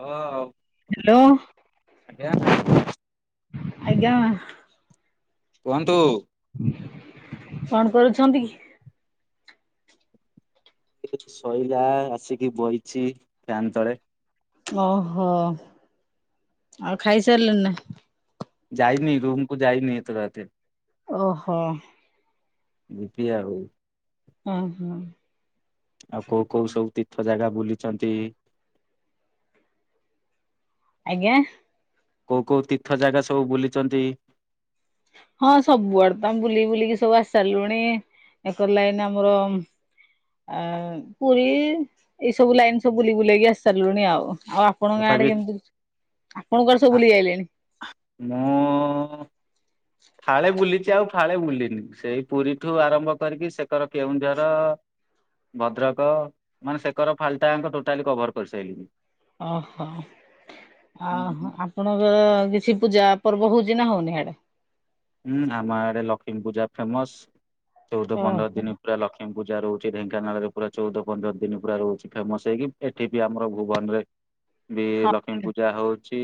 ହଁ ହ୍ୟାଲୋ ଆଜ୍ଞା। ଆଜ୍ଞା। କୁହନ୍ତୁ। କଣ କରୁଛନ୍ତି କି? [unintelligible] ସଇଲା ଆସିକି ବଇଛି ଫ୍ୟାନ ତଳେ। ଓ ହୋ ଆଉ ଖାଇ ସାରିଲେନି ନା? ଯାଇନି ରୁମକୁ ଯାଇନି ଏତେ ରାତି ଓ ହୋ। ଯିବି ଆଉ। ହଁ - ହଁ। ଆଉ କୋଉ କୋଉ ସବୁ ତୀର୍ଥ ଜାଗା ବୁଲିଛନ୍ତି? ଆଜ୍ଞା। କୋଉ କୋଉ ତୀର୍ଥ ଜାଗା ସବୁ ବୁଲିଛନ୍ତି? ହଁ ସବୁଆଡେ ତ ଆମେ ବୁଲି ବୁଲିକି ସବୁ ଆସି ସାରିଲୁଣି। ଏକର ଲାଇନ ଆମର ଆ ପୁରୀ ଏଇ ସବୁ ଲାଇନ ସବୁ ବୁଲି ବୁଲାଇକି ଆସି ସାରିଲୁଣି ଆଉ। ଆଉ ଆପଣଙ୍କ ଗାଁ ଆଡେ ତଥାପି କେମିତି? ଆପଣଙ୍କର ସବୁ ବୁଲି ଯାଇଲେଣି? ମୁଁ ଫାଳେ ବୁଲିଛି ଆଉ' ଫାଳେ ବୁଲିନି। ସେଇ ପୁରୀଠୁ ଆରମ୍ଭ କରିକି, ସେକର କେଉଁଝର ଭଦ୍ରକ ମାନେ, ସେକର ଫାଲଟାଙ୍କ ଟୋଟାଲି କଭର, କରିସାରିଲେଣି। ଓହୋ। ଆ-ଆପଣଙ୍କ କିଛି ପୂଜା ପର୍ବ ହେଉଛି ନା ହଉନି ହିଆଡେ? ହୁଁ, ଆମ ଆଡେ ଲକ୍ଷ୍ମୀ ପୂଜା ଫେମସ। ଚଉଦ, ପନ୍ଦର ଓହୋ ଦିନ ପୁରା ଲକ୍ଷ୍ମୀ ପୂଜା ପୂଜା, ରହୁଛି ଢେଙ୍କାନାଳରେ ପୁରା ଚଉଦ, ପନ୍ଦର ଦିନ ପୁରା ରହୁଛି ଫେମସ ହେଇକି। ଏଠି ବି ଆମର, ଭୁବନ ରେ ବି, ହଁ ଲକ୍ଷ୍ମୀ ପୂଜା ହଉ ଛି,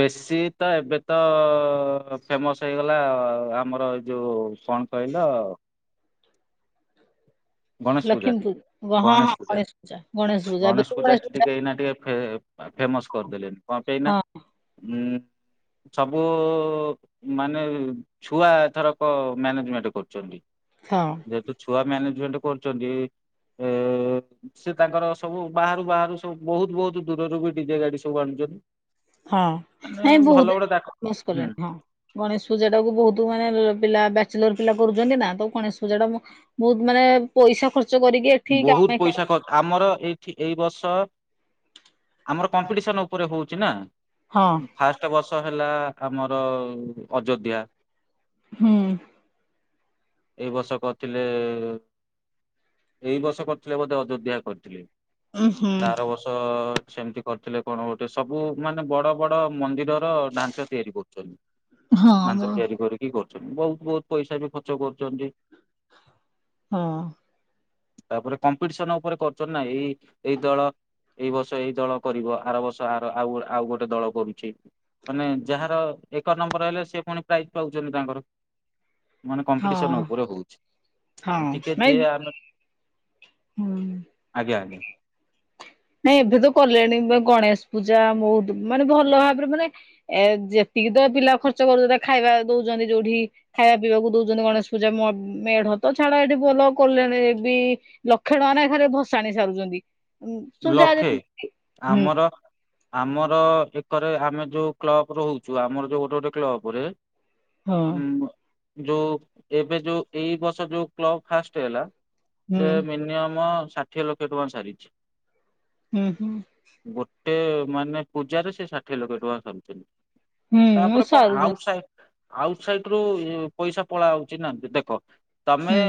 ବେଶୀ ତ ଏବେ ତ ଫେମସ୍ ହେଇଗଲା। ଆମର, ଏଇ ଯୋଉ କଣ, କହିଲ ଗଣେଶ ପୂଜାଟି, ଗଣେଶ ପୂଜା, ଗଣେଶ ପୂଜା, ଟିକେ ଏଇନା ଟିକେ ଫେ ଫେମସ, କରିଦେଲେଣିି। କଣ ପାଇଁ ନାଁ ହଁ ସବୁ, ମାନେ ଛୁଆ ଏଥରକ ମ୍ୟାନେଜମେଣ୍ଟ, କରୁଛନ୍ତି। ହଁ ଯେହେତୁ ଛୁଆ ମ୍ୟାନେଜମେଣ୍ଟ, କରୁଛନ୍ତି ଏ, ସେ ତାଙ୍କର ସବୁ ବାହାରୁ, ବାହାରୁ ସବୁ ବହୁତ ବହୁତ, ଦୂରରୁ ବି ଡିଜେ ଗାଡି ସବୁ ଆଣୁଛନ୍ତି। ହଁ। ମାନେ ନାଇଁ ଭଲ ବହୁତ- ଗୋଟେ ତାଙ୍କ ଫେମସ୍ ହୁଁ କଲେଣି, ହଁ। ଗଣେଶ ପୂଜା ଟାକୁ ବହୁତ ମାନେ, ପିଲା ବା ଚେଲର୍, ପିଲା କରୁଛନ୍ତି। ନା ତ ଗଣେଶ ପୂଜାଟା, ବହୁତ ମାନେ ପଇସା ଖର୍ଚ୍ଚ କରିକି ଏଠି ବହୁତ କାମାକ୍ଷା ପଇସା ଖ-ଆମର ଏଇଠି। ଏଇ ବର୍ଷ ଆମର, କମ୍ପିଟିସନ ଉପରେ ହଉଛି ନା, ହଁ ଫାଷ୍ଟ ବର୍ଷ। ତ ହେଲା ଆମର, ଅଯୋଧ୍ୟା। ହୁଁ। ଏଇ ବର୍ଷ କରିଥିଲେ ଏଇ ବର୍ଷ କରିଥିଲେ, ବୋଧେ ଅଯୋଧ୍ୟା କରିଥିଲେ। ଉଁ ହୁଁ। ତାର ବର୍ଷ ସେମିତି କରିଥିଲେ। କଣ, ଗୋଟେ ସବୁ ମାନେ, ବଡ, ବଡ ମନ୍ଦିର ତ ଢାଞ୍ଚ ତିଆରି କରୁଛନ୍ତି। ହଁ ମୁଁ ଢାଞ୍ଚ ତିଆରି କରିକି କରୁଛନ୍ତି। ବହୁତ, ବହୁତ ପଇସା ବି ଖର୍ଚ୍ଚ କରୁଛନ୍ତି। ହଁ। ତାପରେ, କମ୍ପିଟିସନ ଉପରେ କରୁଛନ୍ତି ନା, ଏଇ, ଏଇ ଦଳ। ଏଇ ବର୍ଷ ଏଇ ଦଳ କରିବ। ଆର ବର୍ଷ ଆର, ଆଉ' ଆଉ ଗୋଟେ ଦଳ କରୁଛି। ମାନେ ଯାହାର, ଏକ ନମ୍ବର ହେଲେ, ସେ ପୁଣି ପ୍ରାଇଜ ପାଉଛନ୍ତି ତାଙ୍କର। ମାନେ ହଁ କମ୍ପିଟିସନ ଉପରେ, ହଉଛି। ଆଉ ହଁ ଟିକେ ଦେ ନାଇଁ ଆମେ ହୁଁ। ଆଜ୍ଞା, ଆଜ୍ଞା। ନାଇଁ ଏବେ ତ କଲେଣି। ଗଣେଶ ପୂଜା, ବହୁତ ମାନେ ଭଲ ଭାବରେ, ମାନେ ଏ ଯେ ଟିକେ ତ ପିଲା ଖର୍ଚ୍ଚ, କରୁଛନ୍ତି। ଖାଇବା ଦଉଛନ୍ତି, ଯୋଉଠି ଖାଇବା ପିଇବାକୁ ଦଉଛନ୍ତି, ଗଣେଶ ପୂଜା ମେଢ ସବୁ ତ ଛାଡା ଏଠି ଭଲ କଲେଣି, ବି ଲକ୍ଷ ଟଙ୍କା ନାଖା ଖାଲି ଭସାଣି ସାରୁଛନ୍ତି। ଲକ୍ଷେ ଆମର, ଆମର। ପରେ ଆମେ ଯୋଉ କ୍ଲବ ରହୁଛୁ, ଆମର ଯୋଉ ଗୋଟେ, ଗୋଟେ କ୍ଲବ ରେ ହଁ। ଯୋଉ, ଏବେ ଯୋଉ, ଏଇ ବର୍ଷ ଯୋଉ କ୍ଲବ, ଫାଷ୍ଟ ହେଲା। ସେ ହୁଁ ମିନିମମ ଷାଠିଏ ଲକ୍ଷ ଟଙ୍କା ସାରିଛି। ହୁଁ, ହୁଁ। ଗୋଟେ ମାନେ ପୂଜାରେ, ସେ ଷାଠିଏ ଲକ୍ଷ୍ୟ ଟଙ୍କା ସାରୁଛନ୍ତି। ହୁଁ ତାପରେ କଣ, ଆଉଟ ସାରୁଛନ୍ତି ସାଇଟ୍ ଆଉଟ ସାଇଟ୍ ରୁ ପଇସା ପଲେଇଆସୁଛିନା। ଦେଖ ତମେ ହୁଁ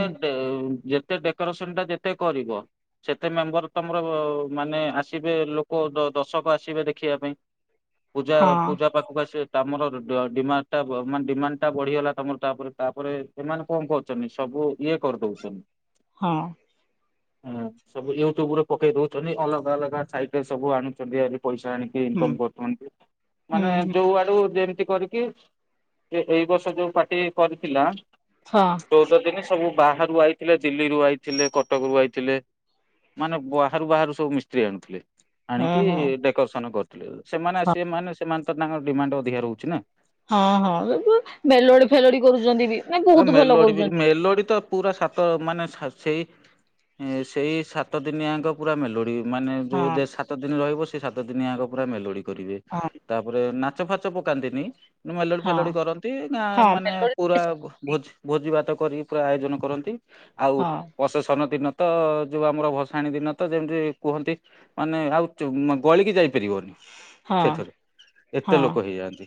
ଯେତେ ଡେକୋରେସନଟା, ଯେତେ କରିବ, ସେତେ ମେମ୍ବର ତମର, ମାନେ ଆସିବେ ଲୋକ, ଦର୍ଶକ ଆସିବେ ଦେଖିବା ପାଇଁ। ପୂଜା, ହଁ ପୂଜା ପାଖକୁ ଆସିବେ। ତାମର, ର-ଡିମାଣ୍ଡ ଟା, ମାନେ ଡିମାଣ୍ଡ ଟା ବଢିଗଲା ତମର, ତାପରେ ତାପରେ ସେମାନେ କଣ କହୁଛନ୍ତି ସ ବୁ, ଇଏ କରିଦଉଛନ୍ତି। ହଁ। ହୁଁ, ସବୁ ୟୁଟ୍ୟୁବ ରୁ ପକେଇ ଦଉଛନ୍ତି। ଅଲଗା, ଅଲଗା ସାଇଟ୍ ରୁ ସବୁ ଆଣୁଛନ୍ତି। ପଇସା ଆଣିକି ହୁଁ ଇନକମ କରୁଛନ୍ତି ହୁଁ ମାନେ ହୁଁ ଯୋଉ ଆଡୁ ଯେମ ତି କରିକି ଏଇ ବର୍ଷ ଯୋଉ ପାର୍ଟି କରିଥିଲା ହଁ ଚଉଦ ଦିନି। ସବୁ ବାହାରୁ ଆଇଥିଲେ ଦିଲ୍ଲୀରୁୁ ଆଇଥିଲେ କଟକ ରୁ ଆଇଥିଲେ ମାନେ। ବାହାରୁ ବାହାରୁ ସବୁ ମିସ୍ତ୍ରୀ ଆଣୁଥିଲେ ଆଣିକି ହଁ ଡେକୋରେସନ କରିୁଥିଲେ। ସେମାନେ ହଁ। ଆସିବ ମାନେ ସେମାନେ ତ ତାଙ୍କର ଡିମାଣ୍ଡ ଅଧିକା ରହୁଛି ନା। ହଁ ହଁ ଏ ବି ମେଲୋଡି ଫେଲୋଡି କରୁଛନ୍ତି ବି ନା ବହୁତ ଭଲ କରୁଛନ୍ତି। ସତ ମାନେ ସ ସ୍। ସେଇ ଏଁ ସେଇ ସାତ ଦିନିଆଙ୍କ ପୁରା ମେଲୋଡି ମାନେ ହଁ ଯୋଉ ସାତ ଦିନ ରହିବ। ସେ ସାତ ଦିନିଆଙ୍କ ପୁରା ମେଲୋଡି କରିବେ ହଁ ତାପରେ ନାଚ ଫାଚ ପକାନ୍ତିନି। ମେଲୋଡ଼ି ହଁ। ଫେଲୋଡ଼ି କରନ୍ତି ଗାଁ ହଁ ମାନେ ପୁରା ମେଲୋଡି ଭୋଜି ଭୋଜି ଭାତ କରି ପୁରା ଆୟୋଜନ କରନ୍ତି। ଆଉ ହଁ ପସେଶନ ଦିନ ତ ଯୋଉ ଆମର ଭସ ଭସାଣି ଦିନ ତ ଯେମିତି କୁହନ୍ତି ମାନେ ଆଉ ଚୁ ଗଳିକି ଯାଇ। ପାରିବନି ହଁ ସେଥେରେ ଏତେ ହଁ ଲୋକ ହେଇଯାନ୍ତି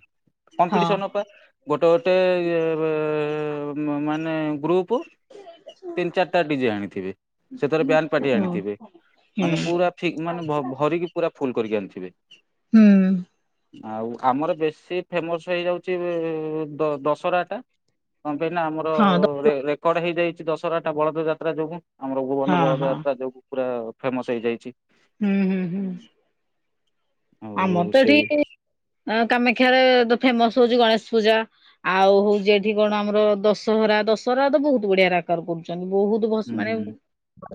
ହଁ କମ୍ପିଟିସନ ପା। ଗୋଟେ ଗୋଟେ ୟେ ରେ ମ ମାନେ ଗ୍ରୁପ। ତିନି ଚାରିଟା ଡିଜେ ଆଣିଥିବେ ସେଥେରେ ବ୍ୟାଣ୍ଡ ପାଟି ହୁଁ ଆଣିଥିବେ। ଥିବେ ହୁଁ ମାନେ ପୁରା ଫିକ ମାନେ ଭ ଭରିକି ପୁରା ଫୁଲ କରିକି ଆଣିଥିବେ। ହୁଁ। ଆଉ ଆମର ବେଶୀ ଫେମସ୍ ହେଇଯାଉଛି ବି ଦ ଦଶରା ଟା। କଣ ପାଇଁ ନା ଆମର ହଁ ରେ ରେକର୍ଡ ହେଇ ଯାଇଛି ଦଶରା ଟା ବଳଦ ଯାତ୍ରା ଯୋଗୁ। ଆମର ଭୁବନ ହଁ ହଁ ବଳଦ ଯାତ୍ରା ଯୋଗୁ ପୁରା ଫେମସ ହେଇଯାଇଛି। ହୁଁ ହୁଁ ହୁଁ। ଆମର ଆଉ ତ ଏଠି ସେଇ ଆ। କାମାକ୍ଷାରେ ଫେମସ ହଉଛି ଗଣେଶ ପୂଜା ଆଉ ହଉଛି ଏଠି କଣ ଆମର ଦଶହରା ଦଶ ହରା ତ ବହୁତ ବଢିଆ ରାକା ରେ କରୁଛନ୍ତି ବହୁତ ଭସ ହୁଁ ମାନେ।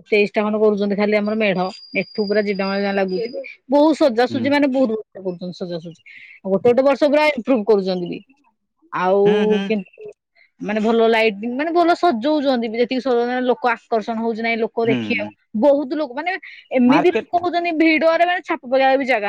ତେଇଶ ଟା ଖଣ୍ଡେ କରୁଛନ୍ତି ଖାଲି ଆମର ମେଢ ଏଠୁ ପୁରା ଜିରିଡା ମାଳୀ ଯାଙ୍କେ ଲାଗି ଯାଇଥିବ ବହୁତ ସ ହୁଁ ଚୂଜି ମାନେ ବହୁତ କରୁଛନ୍ତି ସଜା ସଜି ଆଉ ଗୋଟେ ଗୋଟେ ବର୍ଷ ପୁରା ଇମ୍ପୃବୁ କରୁଛନ୍ତି ବି। ଆଉ ହୁଁ ହୁଁ କିନ୍ତୁ। ମାନେ ଭଲ ଲାଇଟିଙ୍ଗ ମାନେ ଭଲ ସଜଉଚନ୍ତି ଯେତିକି ସଜଉଚନ୍ତି ଲୋକ ଆକର୍ଷଣ ହଉ। ନାଇଁ ଲୋକ ହୁଁ ଦେଖିଆକୁ ବହୁତ ଲୋକ ମାନେ ଏମିତି ମାର୍କେଟ ଲୋକ ହଉଛନ୍ତି ଭିଡରେ ମାନେ ଛାପ ପକେଆକୁ ବି ଯାଗା।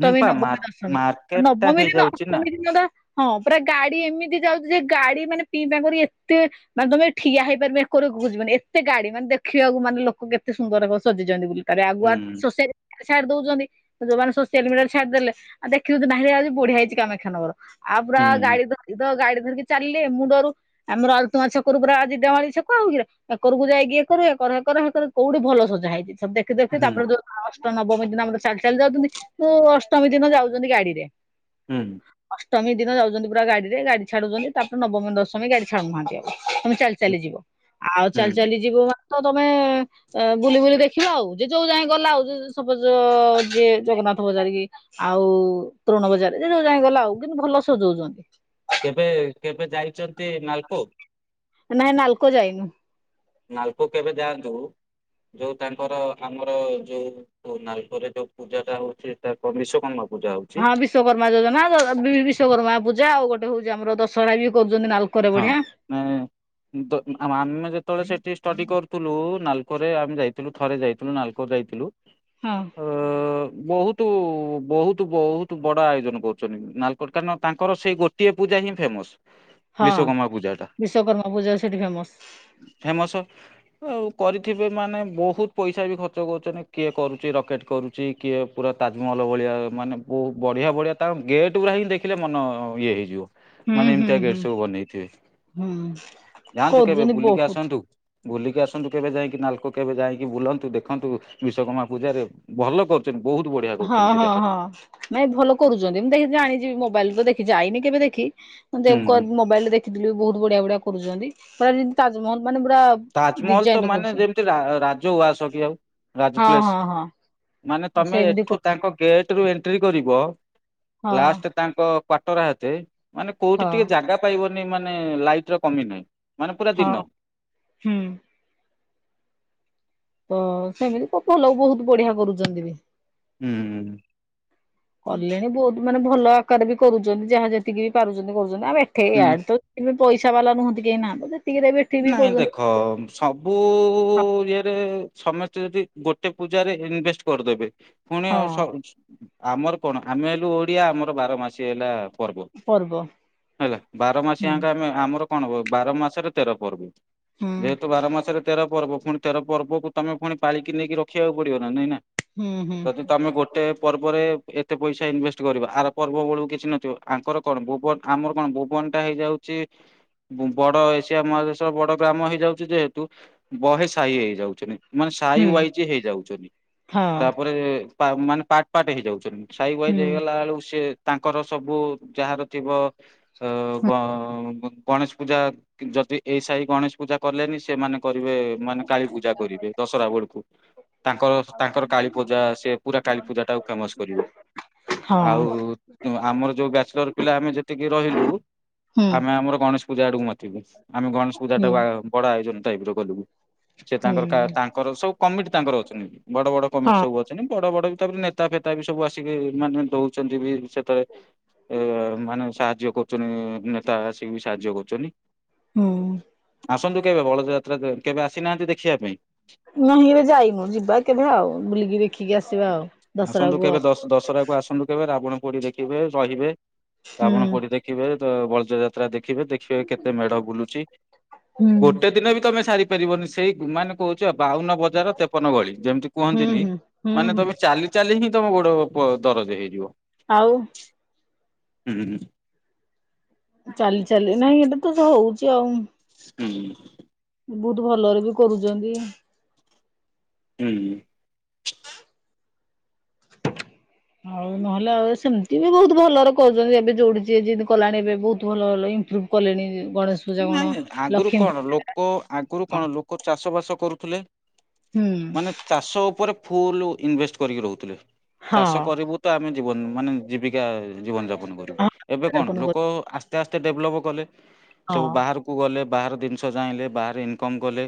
ହୁଁ ପା ନବମୀ ଦଶମୀ ମାର୍କେଟ ଟା ନବମୀ ଦିନ ହେଇଯାଉଛି ନା ଅଷ୍ଟମୀ ଦିନ ଟା। ହଁ ପୁରା ଗାଡି ଏମିତି ଯାଉଛି ଯେ ଗାଡି ମାନେ ପିଁ ପା କରି ଏତେ ମାନେ ତମେ ଠିଆ ହେଇପାରିବ ଏକରୁ। ଆଗକୁ ଯିବନି ଏତେ ଗାଡି ମାନେ ଦେଖିବାକୁ ମାନେ ଲୋକ କେତେ ସୁନ୍ଦର କ ସଜେଇଛନ୍ତି ବୋଲି। ତାରେ ଆଗୁଆ ହୁଁ ସୋ ସାଇଟ ତାକୁ ସାଇଟ ଦଉଛନ୍ତି ଯୋଉମାନେ ସୋସିଆଲ ମିଡିଆରେ ଛାଡିଦଲେ ଆ ଦେଖିଦଉଛନ୍ତି ନାଇରେ ଆଜି ବଢିଆ ହେଇଛି କାମକ୍ଷା ନଗର। ଆଉ ପୁରା ହୁଁ ଗାଡି ଧରକି ତ ଗାଡି। ଧରିକି ଚାଲିଲେ ମୁଁ ଡରୁ ଆମର ଅଲତୁମା ଛକରୁ ପୁରା ଜିରଡାମାଳୀ ଛକ ଆଉ କିରା ଏକରକୁ ଯାଇକି ଏକରୁ ଏକ। ଏକର ହେକର ହେକର କୋଉଠେ ଭଲ ସଜା ହେଇଛି ଦେଖି ଦେଖି ହୁଁ ତାପରେ ଯୋଉ ଅଷ୍ଟ ନବମୀ ଦିନ ଆମ ର ଚା ଲି ଯାଉଛନ୍ତି ମୁଁ ଅଷ୍ଟମୀ ଦିନ ଯାଉଛନ୍ତି ଗାଡିରେ। ହୁଁ। ଅଷ୍ଟମୀ ଦିନ ଯାଉଛନ୍ତି ପୁରା ଗାଡିରେ ଗାଡ଼ି ଛାଡୁଚନ୍ତି ତାପରେ ନବମୀ ଦଶମୀ ଗାଡି ଛାଡୁନାହାନ୍ତି ଆଉ। ତମେ ଚାଲି ଚାଲିଯିବ ଆଉ ହୁଁ ଚାଲି ଚାଲି ଯିବ। ତ ତମେ ଏ ବୁଲି ବୁଲି ଦେଖିବ ଆଉ ଯେ ଯୋଉ ଯାଏଁ ଗଲା ଆଉ ସପୋଜ। ଯେ ଜଗନ୍ନାଥ ବଜାର କି ଆଉ ତୃଣ ବଜାର ଯେ ଯୋଉ ଯାଏଁ ଗଲା ଆଉ କିନ୍ତୁ ଭଲ ସଜଉଛନ୍ତି। କେବେ କେବେ ଯାଇଚନ୍ତି ନାଲକୋ? ନାହିଁ ନାଲକୋ ଯାଇନୁ। ନାଲକୋ କେବେ ଯାଆନ୍ତୁ। ଯୋଉ ତାଙ୍କର ଆମର ଯୋଉ ନାଲକୋ ରେ ଯୋଉ ପୂଜା ଟା ହଉଚି ସେଟା କଁ ବିଶ୍ଵକର୍ମା। ପୂଜା ହଉଛି ହଁ ବିଶ୍ଵକର୍ମା ଯୋଜନା ବିଶ୍ଵକର୍ମା ପୂଜା ଆଉ ଗୋଟେ ହଉଚି ଆମର ଦଶରା ବି କ ହଁ ମାନେ ଦ ଆ ଆମେ ଯେତେବେଳେ ସେଠି ସ୍ ଷ୍ଟଡି କରୁଥୁଲୁ ନାଲକୋ ରେ ଆମେ ଯାଇଥିଲୁ ଥରେ ଯାଇଥିଲୁ ନାଲକୋ ଯାଇଥିଲୁ। ହଁ। ଅ ବହୁତ ବହୁତ ବହୁତ ବଡ ଆୟୋଜନ କରୁଚନ୍ତି ନାଲକୋରେ, କାରଣ ତାଙ୍କର ସେଇ ଗୋଟିଏ ପୂଜା ଜା ହିଁ ଫେମସ୍। ହଁ ବିଶ୍ଵକର୍ମା ପୂଜାଟା ବିଶ୍ଵକର୍ମା ପୂଜା ସେଠି ଫେମସ୍। ଫେମସ ଆଉ କରିଥିବେ ମାନେ ବହୁତ ପଇସା ବି ଖର୍ଚ୍ଚ କରୁଚନ୍ତି, କିଏ କରୁଚି ରକେଟ୍ କରୁଚି କିଏ ପୁରା ତାଜମହଲ ଯୋଉ ଭଳିଆ ମାନେ ବୋ ବଢିଆ ବଢିଆ ତାଙ୍କ ଗେଟ ଗୁରା ହିଁ ଦେଖିଲେ ମନ ଇଏ ହେଇଯିବ। ମାନେ ହୁଁ- ହୁଁ- ଏମିତିଆ ଗେଟ୍ ହୁଁ। ସବୁ ବନେଇଥିବେ। ହୁଁ ଯାଆନ୍ତୁ କେବେ କରୁଛନ୍ତି ବୁଲିକି ବହୁତ ଆସନ୍ତୁ, ବୁଲିକି ଆସନ୍ତୁ କେବେ ଯାଇକି? ନାଲକୋ କେବେ ଯାଇକି ବୁଲନ୍ତୁ ଦେଖନ୍ତୁ, ବିଶ୍ୱକର୍ମା ପୂଜାରେ ଭଲ କରୁ ହଁ- ହଁ- ହଁ ନାଇଁ ଭଲ କରୁଚନ୍ତି ଦେ ଜାଣିଚି ମୋବାଇଲରେ ତ ଦେଖିଚି ଯାଇନି କେବେ ଦେଖି। ଉଁ ଦେ କ ହୁଁ ମୋବାଇଲ ରେ ଦେଖିଥିଲୁ ବହୁତ ବଢିଆ ବଢିଆ କରୁଚନ୍ତି, ପୁରା ଯେମତି ତାଜମହଲ। ମାନେ ପୁରା ତାଜମହଲ ତ ଡିଜାଇନ ରେ ମାନେ କରୁଛନ୍ତି ଯେମତି ରା ରାଜଉଆସ କି ଆଉ ହଁ ରାଜପ୍ଲେସ। ହଁ ହଁ ମାନେ ତମ ତମେ ସେମିତି ଏଠୁ କରୁଛନ୍ତି ତାଙ୍କ ଗେଟରୁ ଏଣ୍ଟ୍ରିକରିବ, ହଁ ଲାଷ୍ଟ ତାଙ୍କ କ୍ୱାଟରହାତେ ମାନେ କୋଉଠି ହଁ। ଟିକେ ଜାଗା ପାଇବନି, ମାନେ ଲାଇଟ ର କମି ନାଇଁ ମାନେ ପୁରା ହଁ ଦିନ। ହୁଁ। ତ ସେମିତି [unintelligible] ବହୁତ ବଢିଆ କରୁଚନ୍ତି ବି। ହୁଁ- ହୁଁ। କଲେଣି ବହୁତ ମାନେ ଭଲ ଆକାର ବି କରୁଚନ୍ତି, ଯାହା ଯେତିକି ବି ପାରୁଚନ୍ତି କରୁ ଚନ୍ତି ଏଠେଇ ହୁଁ ଆଡେ ତ ପଇସା ବାଲା ନୁହଁନ୍ତି କେହି ନା ବୋଧେ ନାଇଁ ଦେଖ ସବୁ ଇଏରେ ସମେ ସ୍ତେ ଯଦି ଗୋଟେ ପୂଜାରେ ଇନଭେଷ୍ଟ କରିଦେବେ, ଫୁଣି ଆଉ ହଁ ସ ଆମର କଣ ଆମେ ହେଲୁ ଓଡିଆ ଆମର ବାର ମାସି ହେଲା ପର୍ବ ପର୍ବ ହେଲା, ବାର ମାସି ହୁଁ ଆଙ୍କ ଆମେ ଆମର କଣ ହବ ବାର ମାସରେ ତେର ପର୍ବ। ହୁଁ ଯେହେତୁ ବାର ମାସରେ ତେର ପର୍ବ ପୁଣି ତେର ପର୍ବକୁ ତମେ ପୁଣି ପାଳିକି ନେଇକି ରଖିବାକୁ ପଡିବ ନା ନାଇଁ ନା? ହୁଁ ହୁଁ ଯଦି ତମେ ଗୋଟେ ପର୍ବରେ ଏତେ ପଇସା ଇନଭେଷ୍ଟ କରିବ, ଆର ପର୍ବ ବେଳକୁ କିଛି ନଥିବ। ଆଙ୍କର କଣ ଭୁବନ ଆମର କଣ ଭୁବନ। ଟା ହେଇଯାଉଚି, ବଁ ବଡ ଏସିଆ ମହାଦେଶ ବଡ ଗ୍ରାମ ହେଇଯାଉଚି ଯେହେତୁ ବହେ ସାହି ହେଇଯାଉଚନ୍ତି, ମାନେ ସହି ହୁଁ ୱାଇଚ ହେଇଯାଉଚନ୍ତି। ହଁ ତାପରେ ପା ମାନେ ପାଟ ପାଟ ହେଇଯାଉଚନ୍ତି, ସାଇ ୱାଇ ହୁଁ ଯାଇଗଲାଳେକୁ ସିଏ ତାଙ୍କର ସବୁ ଯାହାର ଥିବ ଅଁ- ଗଁ ଗଣେଶ ପୂଜା ଯଦି ଏ ସାଇ ଗଣେଶ ପୂଜା କଲେନି ସେମାନେ କରିବେ ମାନେ କାଳୀ ପୂଜା କରିବେ ଦଶହରା ବେଳୁକୁ। ତାଙ୍କର ତାଙ୍କର କାଳୀପୂଜା ସେ ପୁରା କାଳୀ ପୂଜା ଟାକୁ ଫେମସ କରିବେ। ହଁ ଆଉ ଉଁ ଆମର ଯୋଉ ବ୍ୟାଚଲର ପିଲା ଆମେ ଯେତିକି ରହିଲୁ ହୁଁ ଆମେ ଆମର ଗଣେଶ ପୂଜା ଆଡକୁ ମାତିବୁ। ଆମେ ଗଣେଶ ହୁଁ ପୂଜାଟାକୁ ଆ ବଡ ଆୟୋଜନ ଟାଇପର କରିବୁ। ସେ ତାଙ୍କର କା ହୁଁ ତାଙ୍କର ସବୁ କମିଟି ତାଙ୍କର ଅଛନ୍ତି। ବଡ ବଡ କମିଟି ହଁ ସବୁ ଅଛନ୍ତି ବଡ ବଡ ତାପରେ ନେତା ଫେତା ବି ସବୁ ଆସିକି ମାନେ ଦଉଛନ୍ତି ବି ସେଥି ଏ ମାନେ ସାହାଯ୍ୟ କରୁଛନ୍ତି ନେତା ଆସିକି ବି ସାହାଯ୍ୟ କରୁଛନ୍ତି। ହୁଁ। ଆସନ୍ତୁ କେବେ, ବଳଦ ଯାତ୍ରା କେବେ ଆସିନାହାନ୍ତି ଦେଖିବା ପାଇଁ? ନାହିଁ ଏବେ ଯାଇନୁ ଯିବା କେବେ ଆଉ ବୁଲିକି ଦେଖିକି ଆସିବା ଆଉ ଆସନ୍ତୁ ଦଶହରାକୁ କେବେ ଆଉ ଦଶ ଦଶହରାକୁୁ ଆସନ୍ତୁ କେବେ? ରାବଣ ପୋଡ଼ି ଦେଖିବେ ରହିବେ ହୁଁ ଆପଣ କୋଉଠି ଦେଖିବେ? ବଳଦ ଯାତ୍ରା ଦେଖିବେ ଦେଖିବେ କେତେ ମେଢ ବୁଲୁଛି। ହୁଁ ଗୋଟେ ଦିନ ବି ତମେ ସାରି କି ଆସିପାରିବନି ସେ ମାନେ କହୁଛି ବା, ବାଉନ ବଜାର ତେପନ ଗଳି ଯେମିତି ହୁଁ କୁହନ୍ତିନି ହୁଁ ହୁଁ ମାନେ ହୁଁ ତମେ ଚାଲି ଚାଲି ହିଁ ତମ ଗୋଡ ଦରଜ ହେଇଯିବ। ଆଉ। ହୁଁ। ଚାଲି ଚାଲି ନାଇଁ ଏଇଟା ତ ହଉଛି ଆଉ। ହୁଁ। ବହୁତ ଭଲରେ ବି କରୁଛନ୍ତି। ହୁଁ। ଆଉ ନହେଲେ ଆଉ ସେମିତି ବି ବହୁତ ଭଲରେ କହୁଛନ୍ତି ଏବେ ଯୋଡିୁଛି ଯେମିତି କଲାଣି ଏବେ ବହୁତ ଭଲ ଭଲ [unintelligible] କଲେଣି ଯେ ନାଇଁ, ନାଇଁ ଆଗରୁ କଣ ଲୋକ ଆଗରୁ କଣ ହୁଁ ଲୋକ ଚାଷ ବାସ କରୁଥିଲେ ମାନେ ଚାଷ ଉପରେ ଫୁଲ ଇନଭେଷ୍ଟ୍ କରିକି ରହୁଥିଲେ। ହଁ ଚାଷ ହଁ କରିବୁ ତ ଆମେ ଜୀବନ ମାନେ ଜୀବିକା ଜୀବନ ଜାପନ କରିବୁ ଏବେ କଣ ଆପଣ କର ଲୋକ ଆ ଆସ୍ତେ ଆସ୍ତେ ଡେଭଲପ୍ କଲେ ସବୁ ହଁ ବାହାରକୁ ଗଲେ ବାହାର ଜିନିଷ ଜାହିଁଲେ ବାହାରେ ଇନକମ୍ କଲେ।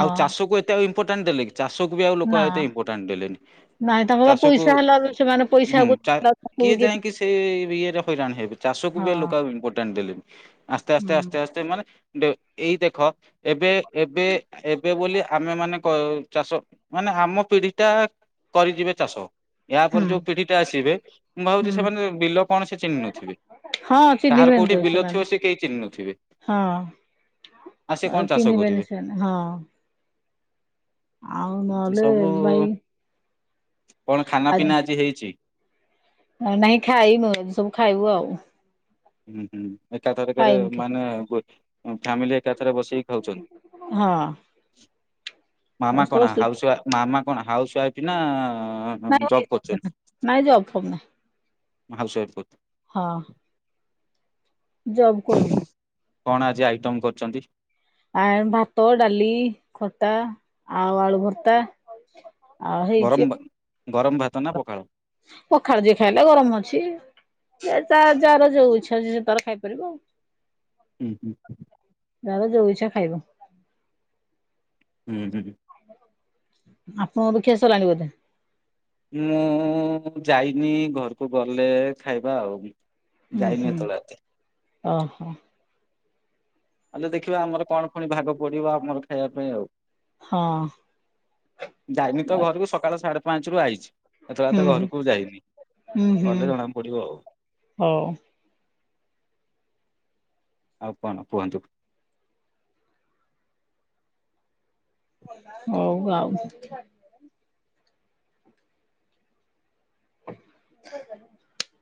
ଆଉ ଚାଷକକୁ ଏତେ ଆଉ ଇମ୍ପୋର୍ଟାଣ୍ଟ ଦେଲେ କି ଚାଷକୁ ବି ଆଉ ଲୋକ ନା ଏତେ ଇମ୍ପୋର୍ଟାଣ୍ଟ ଦେଲେନି। ନାଇଁ ତାଙ୍କ ବା ଚାଷକୁ ପଇସା ହେଲା ସେମାନେ ହୁଁ ପଇସାକୁ ହଁ ହୁଁ କିଏ ଯାଇକି ସେ ଇଏରେ ହଇରାଣ ହେବେ ଚାଷ ଚାଷକୁ ବି ଲୋକ ଆଉ ଇମ୍ପୋଟାଣ୍ଟ୍ ଦେଲେଣି ଆସ୍ତେ ଆସ୍ତେ ଆସ୍ତେ ମାନେ ଏଇ ଦେଖ ଏବେ ଏବେ ଏବେ ବୋଲି ଆମେ ମାନେ ଚାଷ ମାନେ ଆମ ପିଢି ଟା କରିଯିବେ ଚାଷ ୟ ପରେ ହୁଁ ଯୋଉ ପିଢିଟା ଆସିବେ ମୁଁ ଭାବୁଛି, ହୁଁ ସେମାନେ ବିଲ କଣ ସେ ଚିହ୍ନ ନଥିବେ। ହଁ କାହାର ଚିହ୍ନିବେନି କୋଉଠି ତ ବିଲ ଥିବ, ସେମାନେ ସେ କେହି ଚିହ୍ନୁ ଆଉ ସେ ହଁ କଣ ଚାଷ ଚିହ୍ନିବେନି କରିବେ। ସେମାନେ ହଁ ଆଉ ଏମତି ନହେଲେ ସବୁ ଭାଇ କଣ ଖାନା ପିନା ଆଜି ହେଇଛି। ଆଉ ନାଇଁ ଖାଇନୁ ଏ ସବୁ ଖାଇବୁ ଆଉ। ହୁଁ ହୁଁ ଏକା ତରିଖରେ ଖାଇନୁ କି ମାନେ [unintelligible] ଫ୍ୟାମିଲି ଏକାଥରେ ବସେଇି ହଁ ଖାଉଛନ୍ତି। ମାାମା ସମସ୍ତେ କଣ ବସିକି ହାଉସ୍ୱାଇଫ୍ ମାାମ କଣ ହାଉସ୍ୱାଇଫ୍ ନା ନାଇଁ ଜବ୍ କରୁଛନ୍ତି? [unintelligible] ନାଇଁ ଜବ ଫବ ନାହିଁ ହାଉସ୍ୱାଇଫ୍ ଫୁଲ୍। ହଁ ଜବ୍ [unintelligible] କରୁ କଣ ଆଜି ଆଇଟମ୍ କରୁଛନ୍ତି? ଆ ଭାତ ଡାଲି ଖଟା ଆଉ ଆଳୁ ଭର୍ତା ଆଉ ଗରମ ହେଇଛି। ଭା ଗରମ ଭାତ ନା ପଖାଳ? ପଖାଳ ଯିଏ ଖାଇଲେ ଗରମ ଅଛି। ତାର ଯାର ଯୋଉ ଇଛା ଯିଏ ଯା ତାର ଖାଇପାରିବ ଆଉ। ହୁଁ ହୁଁ। ଯାହାର ଯୋଉଉଛା ଖାଇବ। ହୁଁ ହୁଁ। ଆପଣଙ୍କ ଖିଆ ସରିଲାଣି ବୋଧେ? ମୁଁ ଯାଇନି ଘରକୁ ଗଲେ ଖାଇବା ଆଉ। ଯାଇନି ଏତଵେଳ ଯାକେ। ଓ ହୋ। ଆଲୋ ଦେଖିବା ଆମର କଣ ପୁଣି ଭାଗ ପଡିବ ଆମର ଖାଇବା ପାଇଁ ଆଉ? ହଁ। ଯାଇନି ତ ଘରକୁ ସକାଳ ସାଢେ ପାଞ୍ଚ ରୁ ଆଇଛି ଏତେ [unintelligible] ହୁଁ ତ ଘରକୁ ଯାଇନି ହୁଁ ହୁଁ ହୁଁ ଗଲେ ଜଣାକୁ ପଡିବ ଆଉ। ହଉ ଆଉ କଣ କୁହନ୍ତୁ? ହଉ ଆଉ। [inaudible]